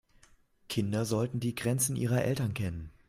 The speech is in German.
Kinder sollten die Grenzen ihrer Eltern kennen.